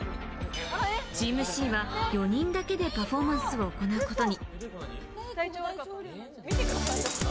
チームＣは４人だけでパフォーマンスを行うことに。